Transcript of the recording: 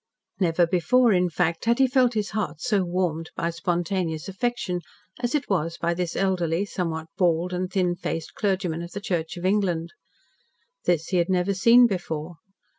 Never before, in fact, had he felt his heart so warmed by spontaneous affection as it was by this elderly, somewhat bald and thin faced clergyman of the Church of England. This he had never seen before.